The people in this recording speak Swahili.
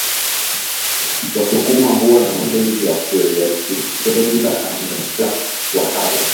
Wasukuma huwa na mapenzi ya ukweli akipenda amependa haswa haswa